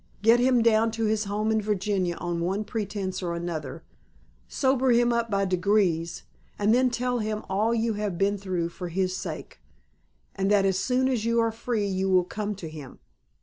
Get him down to his home in Virginia on one pretence or another, sober him up by degrees, and then tell him all you have been through for his sake, and that as soon as you are free you will come to him.